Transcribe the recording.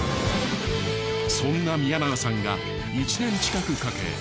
そんな宮永さんが１年近くかけ